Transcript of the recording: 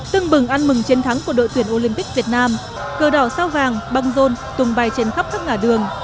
từng bừng ăn mừng chiến thắng của đội tuyển olympic việt nam cơ đỏ sao vàng băng rôn tùng bài trên khắp các ngã đường